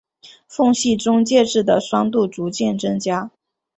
缝隙中介质的酸度逐渐增加。